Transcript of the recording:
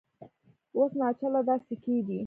اوس ناچله دا سکې دي